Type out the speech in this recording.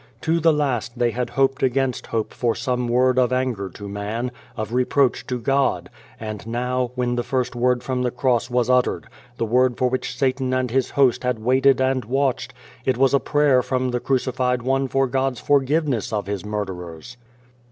To the last they had hoped against hope for some word of anger to man, of reproach to God, and now, when the first word from the cross was uttered, the word for which Satan and his host had waited and watched, it was a prayer from the Crucified One for God's forgiveness of His murderers.